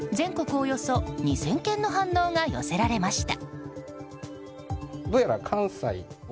およそ２０００件の反応が寄せられました。